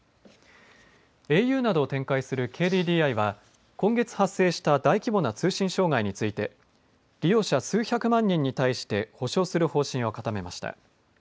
ａｕなどを展開するＫＤＤＩは、今月発生した大規模な通信障害について、利用者数百万人に対して、補償する方針を固めました。